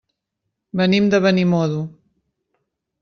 Venim de Benimodo.